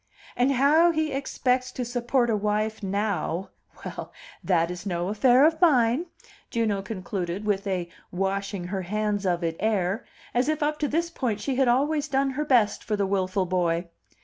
"And how he expects to support a wife now well, that is no affair of mine," Juno concluded, with a washing her hands of it air, as if up to this point she had always done her best for the wilful boy.